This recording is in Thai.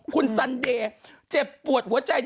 คุณซันเดย์เจ็บปวดหัวใจ